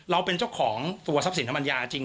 เราเป็นเจ้าของตัวทรัพย์ศิลปัญญาจริง